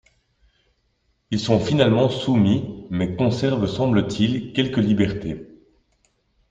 Ils sont finalement soumis mais conservent semble-t-il quelques libertés.